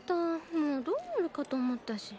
もうどうなるかと思ったし。